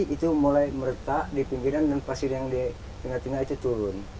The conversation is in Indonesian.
itu mulai meretak di pinggiran dan pasir yang di tengah tengah itu turun